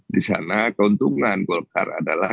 di sana keuntungan golkar adalah